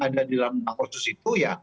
ada di dalam otsus itu ya